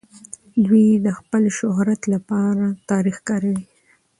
دوی د خپل شهرت لپاره تاريخ کاروي.